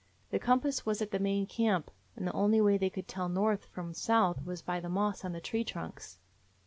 The compass was at the main camp, and the only way they could tell north from south was by the moss on the tree trunks.